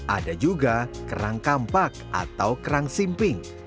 ada juga kerang kampak atau kerang simping